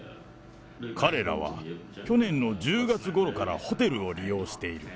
彼らは去年の１０月ごろからホテルを利用している。